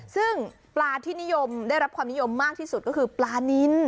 ซึ่งปลาที่นิยมได้รับความนิยมมากที่สุดก็คือปลานิน